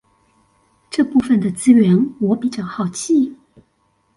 這部分的資源我比較好奇